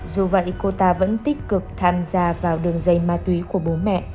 dù vậy cô ta vẫn tích cực tham gia vào đường dây ma túy của bố mẹ